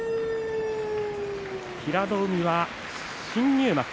平戸海は新入幕。